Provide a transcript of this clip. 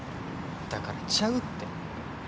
だからちゃうって。